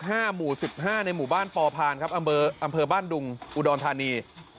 ห้าหมู่สิบห้าในหมู่บ้านปพานครับอำเบิร์ดอำเภอบ้านดุงอุดอนทานี